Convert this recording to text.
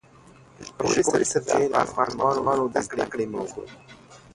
ژورې سرچینې د افغان ماشومانو د زده کړې موضوع ده.